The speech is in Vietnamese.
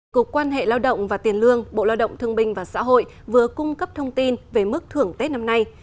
cục quan hệ lao động và tiền lương bộ lao động thương binh và xã hội vừa cung cấp thông tin về mức thưởng tết năm nay